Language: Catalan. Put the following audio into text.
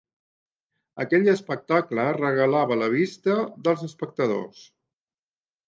Aquell espectacle regalava la vista dels espectadors.